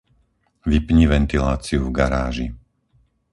Vypni ventiláciu v garáži.